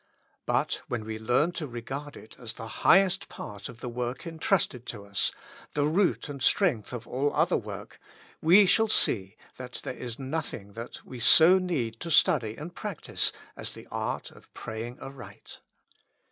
But when we learn to regard it as the highest part of the work entrusted to us, the root and strength of all other work, we shall see that there is nothing that we so need to study and practise as the art of praying aright.